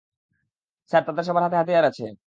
Sir, তাদের সবার হাতে হাতিয়ার আছে।